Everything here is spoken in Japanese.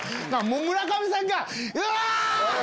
村上さんがうわ！